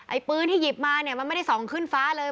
ปืนที่หยิบมาเนี่ยมันไม่ได้ส่องขึ้นฟ้าเลย